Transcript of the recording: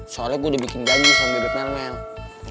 soalnya gue udah bikin gaji sama bebet narmel